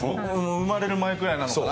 生まれる前くらいなのかな。